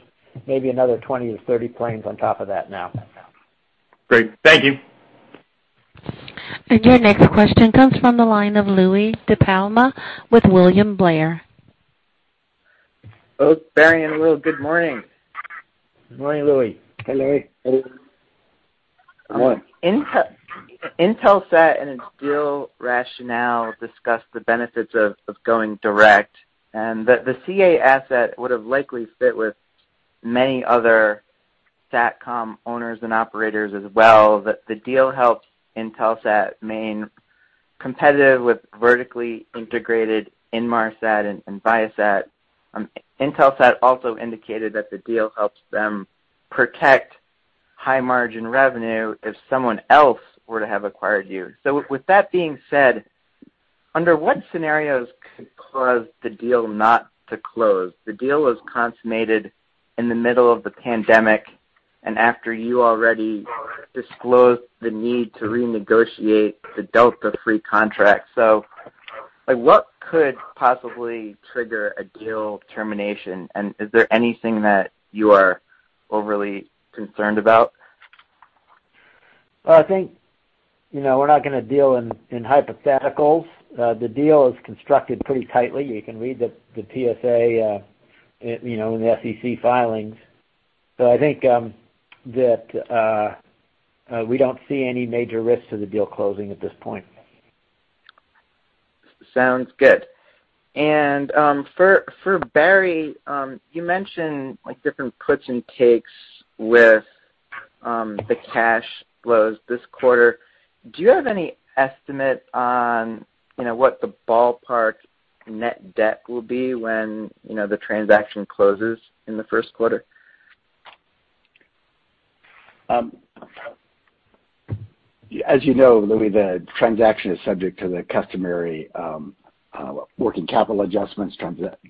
maybe another 20 or 30 planes on top of that now. Great. Thank you. Your next question comes from the line of Louie DiPalma with William Blair. Louie, Barry, and Will, good morning. Morning, Louie. Hey, Louie. Good morning. Intelsat and its deal rationale discussed the benefits of going direct, the CA asset would've likely fit with many other Satcom owners and operators as well. The deal helped Intelsat remain competitive with vertically integrated Inmarsat and Viasat. Intelsat also indicated that the deal helps them protect high-margin revenue if someone else were to have acquired you. With that being said, under what scenarios could cause the deal not to close? The deal was consummated in the middle of the pandemic and after you already disclosed the need to renegotiate the Delta fleet contract. What could possibly trigger a deal termination, and is there anything that you are overly concerned about? Well, I think we're not going to deal in hypotheticals. The deal is constructed pretty tightly. You can read the PSA in the SEC filings. I think that we don't see any major risks to the deal closing at this point. Sounds good. For Barry, you mentioned different puts and takes with the cash flows this quarter. Do you have any estimate on what the ballpark net debt will be when the transaction closes in the first quarter? As you know, Louie, the transaction is subject to the customary working capital adjustments,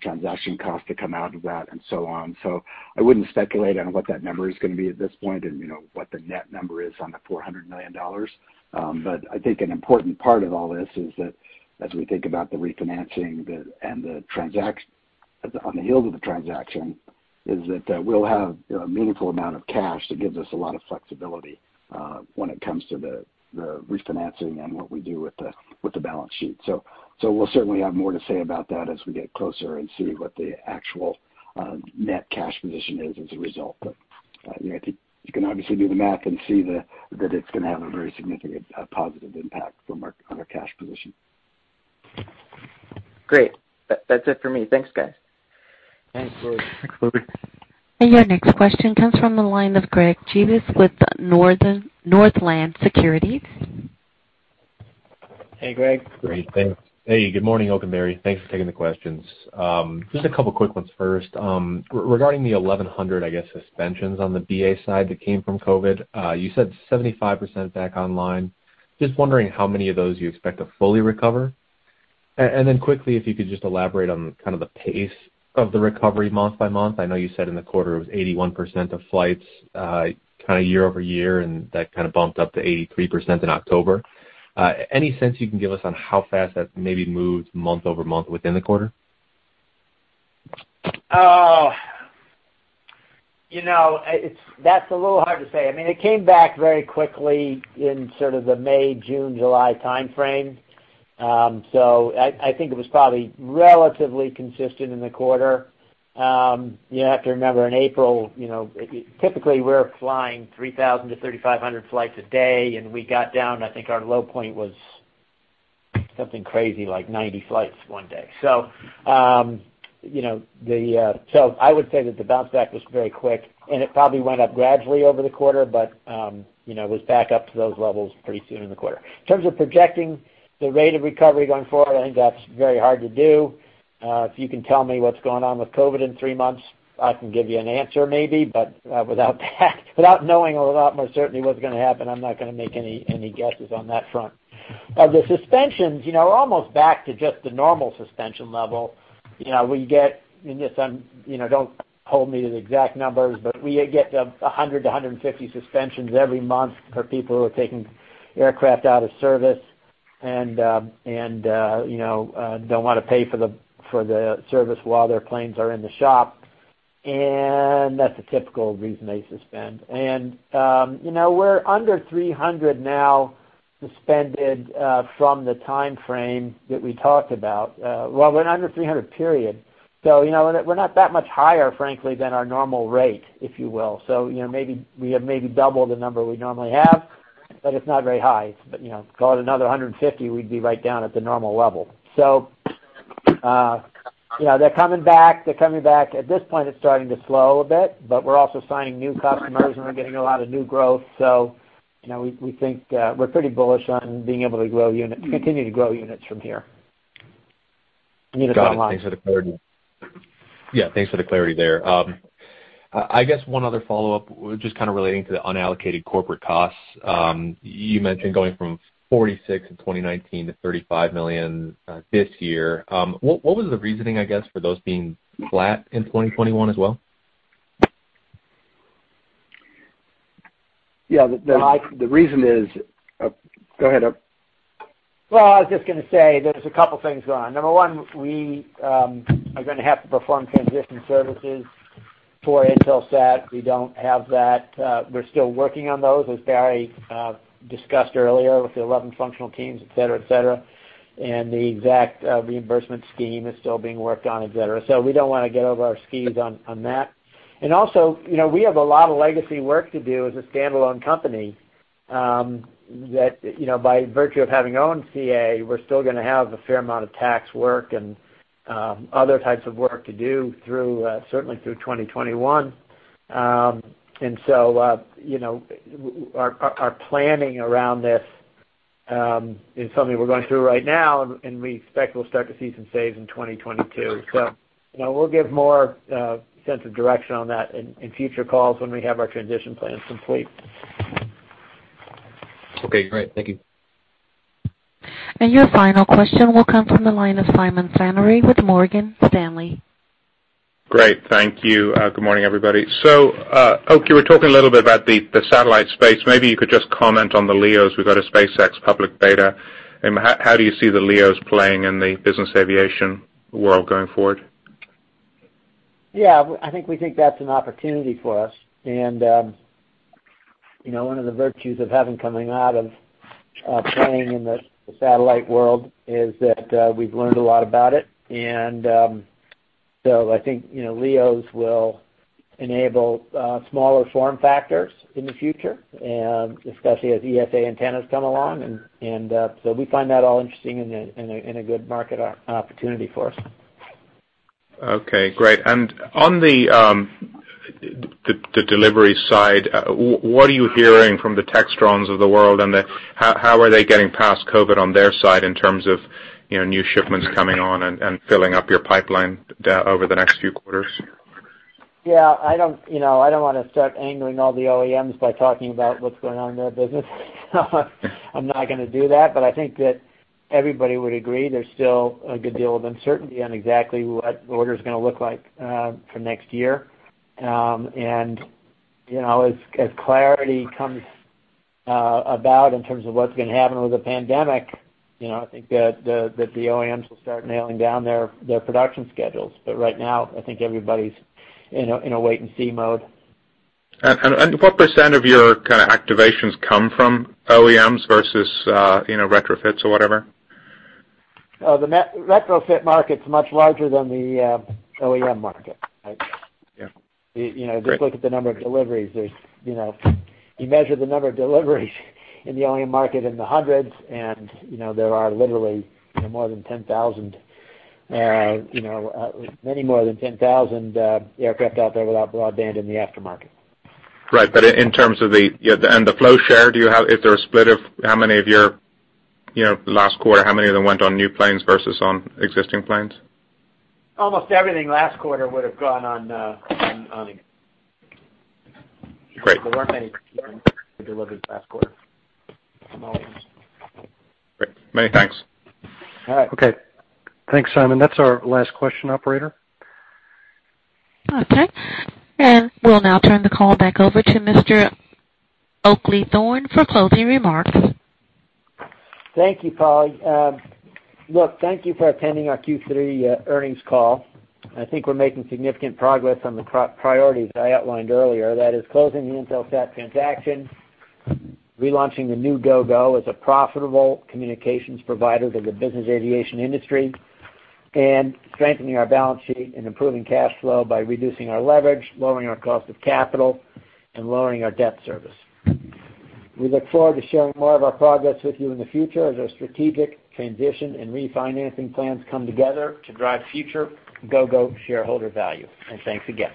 transaction costs that come out of that, and so on. I wouldn't speculate on what that number is going to be at this point and what the net number is on the $400 million. I think an important part of all this is that as we think about the refinancing on the heels of the transaction, is that we'll have a meaningful amount of cash that gives us a lot of flexibility when it comes to the refinancing and what we do with the balance sheet. We'll certainly have more to say about that as we get closer and see what the actual net cash position is as a result. You can obviously do the math and see that it's going to have a very significant positive impact on our cash position. Great. That's it for me. Thanks, guys. Thanks, Louie. Thanks, Louie. Your next question comes from the line of Greg Gibas with Northland Securities. Hey, Greg. Great. Thanks. Hey. Good morning, Oak and Barry. Thanks for taking the questions. Just a couple of quick ones first. Regarding the 1,100, I guess, suspensions on the BA side that came from COVID. You said 75% back online. Just wondering how many of those you expect to fully recover. Quickly, if you could just elaborate on kind of the pace of the recovery month-by-month. I know you said in the quarter it was 81% of flights kind of year-over-year, that kind of bumped up to 83% in October. Any sense you can give us on how fast that maybe moved month-over-month within the quarter? That's a little hard to say. It came back very quickly in sort of the May, June, July timeframe. I think it was probably relatively consistent in the quarter. You have to remember, in April, typically, we're flying 3,000-3,500 flights a day, and we got down, I think our low point was something crazy like 90 flights one day. I would say that the bounce back was very quick, and it probably went up gradually over the quarter, but it was back up to those levels pretty soon in the quarter. In terms of projecting the rate of recovery going forward, I think that's very hard to do. If you can tell me what's going on with COVID in three months, I can give you an answer, maybe. Without that without knowing a lot more certainly what's going to happen, I'm not going to make any guesses on that front. Of the suspensions, we're almost back to just the normal suspension level. Don't hold me to the exact numbers, but we get 100-150 suspensions every month for people who are taking aircraft out of service. Don't want to pay for the service while their planes are in the shop. That's a typical reason they suspend. We're under 300 now suspended, from the timeframe that we talked about. Well, we're under 300, period. We're not that much higher, frankly, than our normal rate, if you will. Maybe we have maybe double the number we normally have, but it's not very high. Call it another 150, we'd be right down at the normal level. They're coming back. At this point, it's starting to slow a bit, but we're also signing new customers, and we're getting a lot of new growth. We're pretty bullish on being able to continue to grow units from here. Got it. Thanks for the clarity. Yeah, thanks for the clarity there. I guess one other follow-up, just kind of relating to the unallocated corporate costs. You mentioned going from $46 million in 2019 to $35 million this year. What was the reasoning, I guess, for those being flat in 2021 as well? Yeah. The reason is- Go ahead. I was just going to say, there's a couple things going on. Number one, we are going to have to perform transition services for Intelsat. We don't have that. We're still working on those, as Barry discussed earlier, with the 11 functional teams, et cetera. The exact reimbursement scheme is still being worked on, et cetera. We don't want to get over our skis on that. Also, we have a lot of legacy work to do as a standalone company, that by virtue of having owned CA, we're still going to have a fair amount of tax work and other types of work to do certainly through 2021. Our planning around this is something we're going through right now, and we expect we'll start to see some saves in 2022. We'll give more sense of direction on that in future calls when we have our transition plan complete. Okay, great. Thank you. Your final question will come from the line of Simon Flannery with Morgan Stanley. Great. Thank you. Good morning, everybody. Oak, you were talking a little bit about the satellite space. Maybe you could just comment on the LEOs. We've got a SpaceX public beta. How do you see the LEOs playing in the business aviation world going forward? Yeah, I think we think that's an opportunity for us. One of the virtues of having coming out of playing in the satellite world is that we've learned a lot about it. I think LEO will enable smaller form factors in the future, especially as ESA antennas come along, and so we find that all interesting and a good market opportunity for us. Okay. Great. On the delivery side, what are you hearing from the Textrons of the world, and how are they getting past COVID on their side in terms of new shipments coming on and filling up your pipeline over the next few quarters? Yeah. I don't want to start angering all the OEMs by talking about what's going on in their business. I'm not going to do that. I think that everybody would agree there's still a good deal of uncertainty on exactly what order's going to look like for next year. As clarity comes about in terms of what's going to happen with the pandemic, I think that the OEMs will start nailing down their production schedules. Right now, I think everybody's in a wait-and-see mode. What percent of your kind of activations come from OEMs versus retrofits or whatever? The retrofit market's much larger than the OEM market. Yeah. Great. Just look at the number of deliveries. You measure the number of deliveries in the OEM market in the hundreds. There are literally many more than 10,000 aircraft out there without broadband in the aftermarket. Right. The flow share, is there a split of how many of your, last quarter, how many of them went on new planes versus on existing planes? Almost everything last quarter would've gone on. Great. There weren't many delivered last quarter from OEMs. Great. Many thanks. All right. Okay. Thanks, Simon. That's our last question, operator. Okay. We'll now turn the call back over to Mr. Oakleigh Thorne for closing remarks. Thank you, Polly. Look, thank you for attending our Q3 earnings call. I think we're making significant progress on the priorities I outlined earlier. That is closing the Intelsat transaction, relaunching the new Gogo as a profitable communications provider to the business aviation industry, and strengthening our balance sheet and improving cash flow by reducing our leverage, lowering our cost of capital, and lowering our debt service. We look forward to sharing more of our progress with you in the future as our strategic transition and refinancing plans come together to drive future Gogo shareholder value. Thanks again.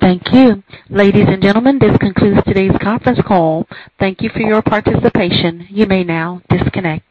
Thank you. Ladies and gentlemen, this concludes today's conference call. Thank you for your participation. You may now disconnect.